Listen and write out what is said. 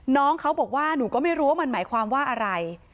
น้องเขาบอกว่าหนูก็ไม่รู้ว่ามันหมายความว่าอะไร